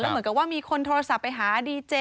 เหมือนกับว่ามีคนโทรศัพท์ไปหาดีเจ